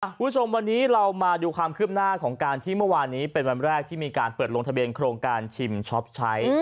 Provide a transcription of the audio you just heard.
คุณผู้ชมวันนี้เรามาดูความคืบหน้าของการที่เมื่อวานนี้เป็นวันแรกที่มีการเปิดลงทะเบียนโครงการชิมช็อปใช้